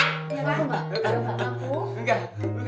aku gak aku gak